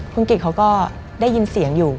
คุณกิจเขาก็ได้ยินเสียงอยู่